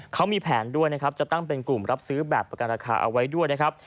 เขามีแผนด้วยนะครับจะตั้งเป็นกลุ่มรับซื้อแบบประกันราคาเอาไว้ด้วยนะครับ